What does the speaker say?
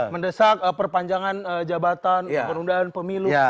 mendesak perpanjangan jabatan penundaan pemilu